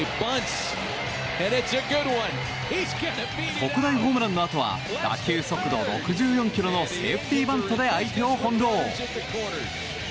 特大ホームランのあとは打球速度６４キロのセーフティーバントで相手を翻弄。